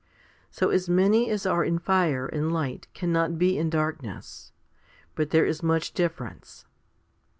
So as many as are in fire and light cannot be in darkness ; but there is much differ ence.